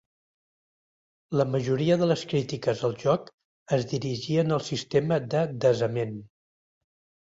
La majoria de les crítiques al joc es dirigien al sistema de desament.